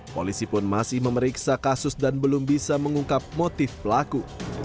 polisi pun masih memeriksa kasus dan belum bisa mengungkap motif pelaku